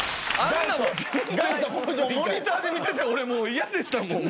モニターで見てて俺もう嫌でしたもん。